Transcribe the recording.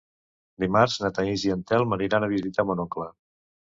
Dimarts na Thaís i en Telm aniran a visitar mon oncle.